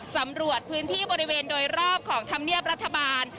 สำรวจพื้นที่บริเวณโดยรอบของธรรมเนียบรัฐบาล